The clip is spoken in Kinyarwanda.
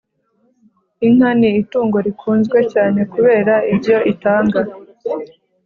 Inka ni itungo rikunzwe cyane kubera ibyo itanga